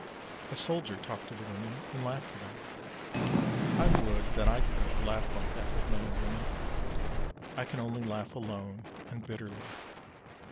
A soldier talked to the women, and laughed with them. I would that I could laugh like that with men and women. I can only laugh alone and bitterly.